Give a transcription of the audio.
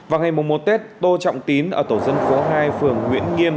vào ngày một một tết tô trọng tín ở tổ dân phố hai phường nguyễn đức